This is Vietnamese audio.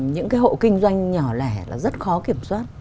những cái hộ kinh doanh nhỏ lẻ là rất khó kiểm soát